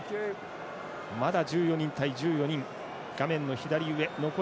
まだ１４人対１４人。